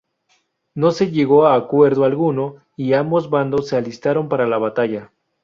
No se llegó a acuerdo alguno y ambos bandos se alistaron para la batalla.